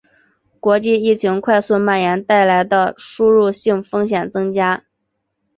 国际疫情快速蔓延带来的输入性风险增加